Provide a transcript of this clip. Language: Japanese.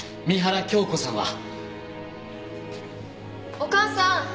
お母さん！